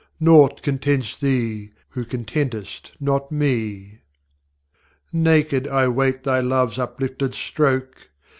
naught contents thee, who contentŌĆÖst not Me! ŌĆÖ Naked I wait Thy loveŌĆÖs uplifted stroke!